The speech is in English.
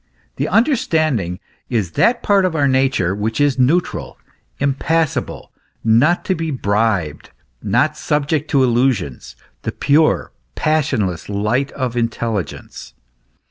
The understanding is that part of our nature which is neutral, im passible, not to be bribed, not subject to illusions the pure, passionless light of the intelligence.